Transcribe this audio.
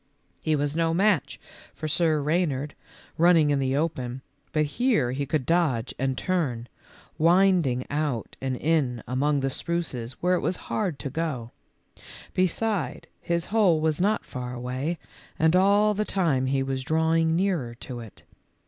He w r as no match for Sir Rey nard, running in the open, but here he could dodge and turn, winding out and in among the spruces where it was hard to go ; beside, his hole was not far away, and all the time he was drawing nearer to it.